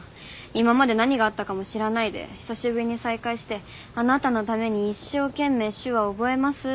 今まで何があったかも知らないで久しぶりに再会してあなたのために一生懸命手話覚えますって。